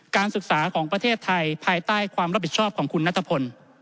การศึกษาของประเทศไทยภายใต้ความรับผิดชอบของคุณนัทพล